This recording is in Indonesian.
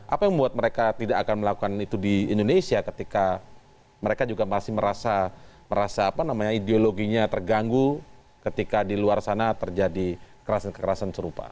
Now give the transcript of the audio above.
apa yang membuat mereka tidak akan melakukan itu di indonesia ketika mereka juga masih merasa ideologinya terganggu ketika di luar sana terjadi kekerasan kekerasan serupa